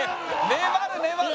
粘る粘る。